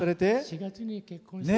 ４月に結婚して。